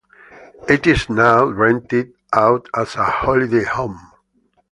It is now rented out as a holiday home.